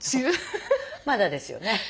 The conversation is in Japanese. まだですよね？